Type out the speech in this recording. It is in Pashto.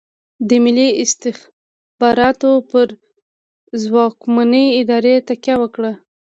د ملي استخباراتو پر ځواکمنې ادارې تکیه وکړه.